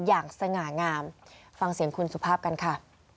อย่างสง่างามฟังเสียงคุณสุภาพกันค่ะ